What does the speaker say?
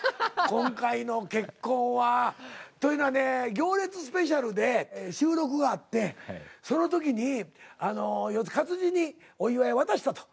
今回の結婚は。というのはね「行列スペシャル」で収録があってその時に勝地にお祝い渡したと。